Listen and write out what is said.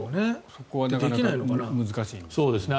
そこはなかなか難しいんですか。